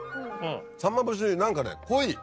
さんま節何かね濃い。